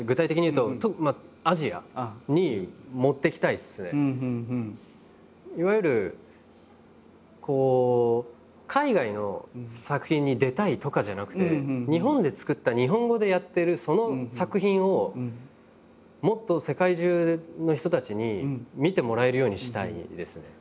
やっぱりいわゆるこう海外の作品に出たいとかじゃなくて日本で作った日本語でやってるその作品をもっと世界中の人たちに見てもらえるようにしたいですね。